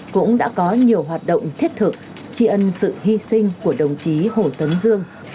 cũng đã có nhiều hoạt động thiết thực tri ân sự hy sinh của đồng chí hồ tấn dương